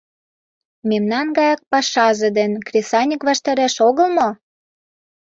Мемнан гаяк пашазе ден кресаньык ваштареш огыл мо?